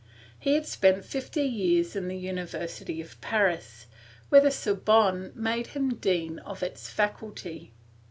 He had spent fifty years in the University of Paris, where the Sorbonne made him dean of its faculty.